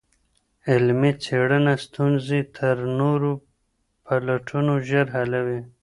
علمي څېړنه ستونزي تر نورو پلټنو ژر حلوي.